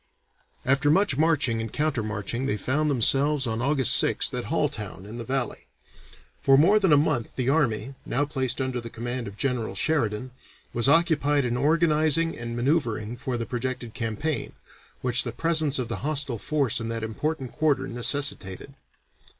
After much marching and counter marching they found themselves on August 6th at Halltown in the Valley. For more than a month the army, now placed under the command of General Sheridan, was occupied in organizing and manoeuvering for the projected campaign, which the presence of the hostile force in that important quarter necessitated.